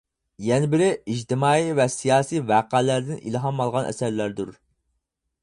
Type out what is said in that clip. يەنە بىرى، ئىجتىمائىي ۋە سىياسىي ۋەقەلەردىن ئىلھام ئالغان ئەسەرلەردۇر.